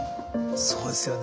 そうですよね。